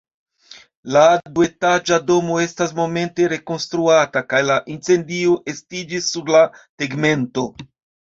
La duetaĝa domo estas momente rekonstruata, kaj la incendio estiĝis sur la tegmento.